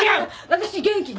私元気。